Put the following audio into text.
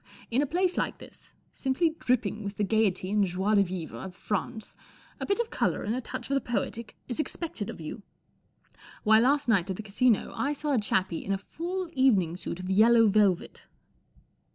In a place like this, simply dripping with the gaiety and joie de vivre of France, a bit of colour and a touch of the poetic is expected of you. Why, last night at the Casino 1 saw a chappie in a full evening suit of yellow velvet."